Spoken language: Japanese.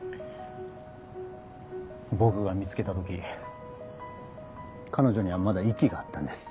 僕が見つけた時彼女にはまだ息があったんです。